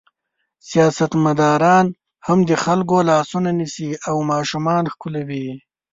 سیاستمداران هم د خلکو لاسونه نیسي او ماشومان ښکلوي.